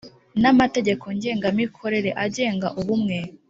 n amategeko ngengamikorere agenga Ubumwe